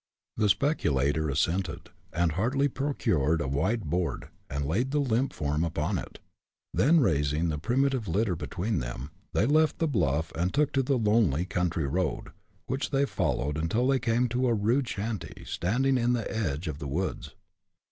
The speculator assented, and Hartly procured a wide board, and laid the limp form upon it. Then raising the primitive litter between them, they left the bluff and took to the lonely country road, which they followed until they came to a rude shanty, standing in the edge of the woods.